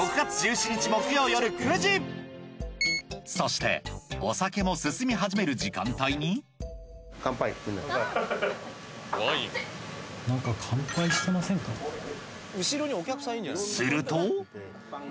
そしてお酒も進み始める時間帯にすると？